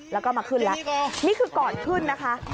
แล้วก็มาขึ้นแล้วนี่คือก่อนขึ้นนะคะ